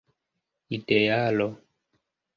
idealo